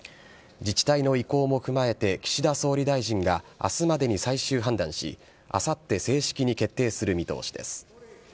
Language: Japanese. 自治体の意向も踏まえて、岸田総理大臣があすまでに最終判断し、あさって正式に決定する見通しです。